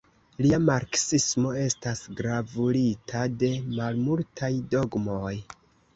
Lia marksismo estas gravurita de malmultaj dogmoj.